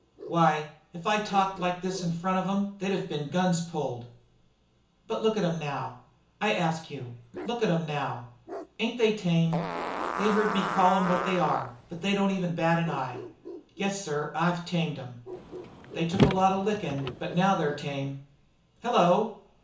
Why, if I'd talked like this in front of 'em they'd of been guns pulled. But look at 'em now. I ask you: Look at 'em now! Ain't they tame? They hear me call 'em what they are, but they don't even bat an eye. Yes, sir, I've tamed 'em. They took a lot of lickin', but now they're tamed. Hello!"